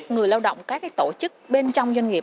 người lao động các tổ chức bên trong doanh nghiệp